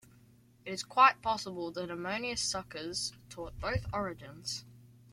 It is quite possible that Ammonius Saccas taught both Origens.